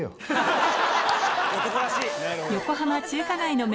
男らしい！